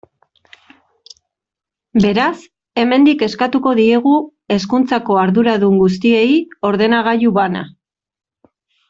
Beraz, hemendik eskatuko diegu hezkuntzako arduradun guztiei ordenagailu bana.